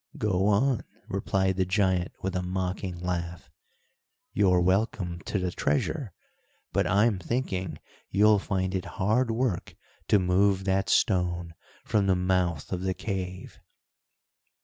"Go on!" replied the giant, with a mocking laugh. "You're welcome to the treasure, but I'm thinking you'll find it hard work to move that stone from the mouth of the cave."